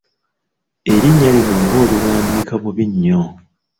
Erinnya lino ng'oliwandiika bubi nnyo?